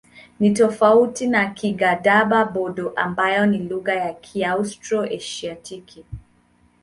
Ni tofauti na Kigadaba-Bodo ambayo ni lugha ya Kiaustro-Asiatiki.